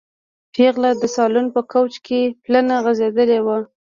پېغله د سالون په کوچ کې پلنه غځېدلې وه.